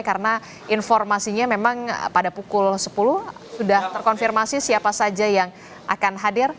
karena informasinya memang pada pukul sepuluh sudah terkonfirmasi siapa saja yang akan hadir